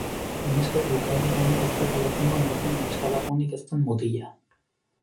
Neskek bukaeraraino ez dute jakingo nor den neskalagunik ez duen mutila.